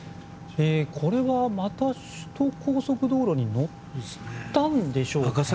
これはまた首都高速道路に乗ったんでしょうか。